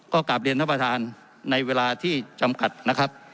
ก็กลับเรียนท่านประธานในเวลาที่จำกัดนะครับ